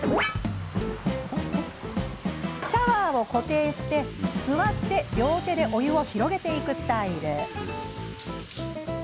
シャワーを固定して、座って両手でお湯を広げていくスタイル。